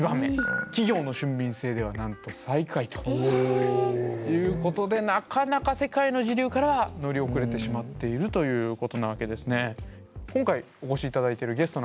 「企業の俊敏性」ではなんと最下位ということでなかなか世界の時流からは乗り遅れてしまっているということなわけですね。